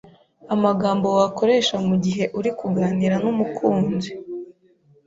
amagambo wakoresha mu gihe uri kuganira n’umukunzi